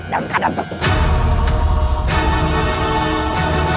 dalam keadaan tertentu